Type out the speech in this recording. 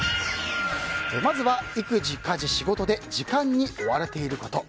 まずは育児、家事、仕事で時間に追われていること。